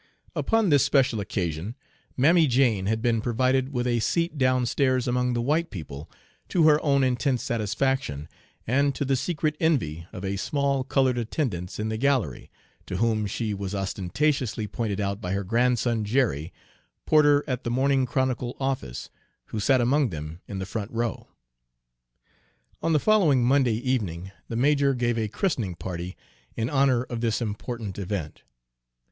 Upon this special occasion Mammy Jane had been provided with a seat downstairs among the white people, to her own intense satisfaction, and to the secret envy of a small colored attendance in the gallery, to whom she was ostentatiously pointed out by her grandson Jerry, porter at the Morning Chronicle office, who sat among them in the front row. On the following Monday evening the major gave a christening party in honor of this important event.